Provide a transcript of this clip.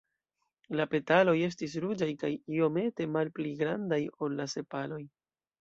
La petaloj estas ruĝaj kaj iomete malpli grandaj ol la sepaloj.